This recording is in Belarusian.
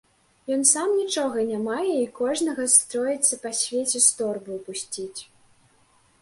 Ён сам нічога не мае і кожнага строіцца па свеце з торбаю пусціць.